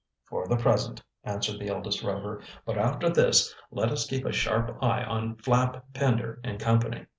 "For the present," answered the eldest Rover. "But after this let us keep a sharp eye on Flapp, Pender & Company."